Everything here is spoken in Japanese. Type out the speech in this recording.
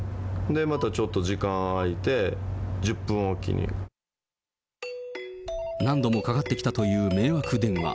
またちょっと時間空いて、何度もかかってきたという迷惑電話。